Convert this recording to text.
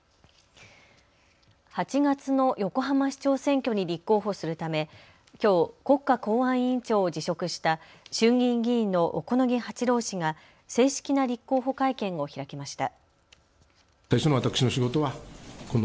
８月の横浜市長選挙に立候補するためきょう、国家公安委員長を辞職した衆議院議員の小此木八郎氏が正式な立候補会見を開きました。